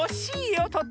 とっても。